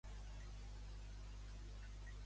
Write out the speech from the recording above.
D'aquesta forma, què és que s'acabarà?